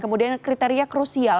kemudian kriteria krusial